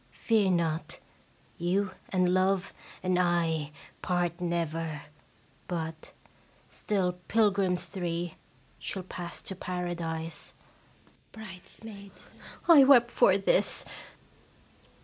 Fear not, you and Love and I part never, but, still pil grims three, shall pass to Paradise. Bridesmaid. I wept for this!